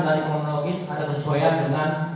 dari komunologis pada tersesuaian dengan